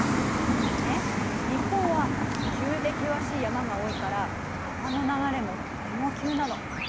でね日本は急で険しい山が多いから川の流れもとても急なの。